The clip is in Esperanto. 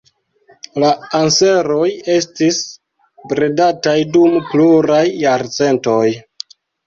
La anseroj estis bredataj dum pluraj jarcentoj.